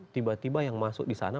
tiba tiba yang masuk di sana